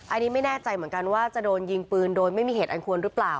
อันนี้ไม่แน่ใจเหมือนกันว่าจะโดนยิงปืนโดยไม่มีเหตุอันควรหรือเปล่า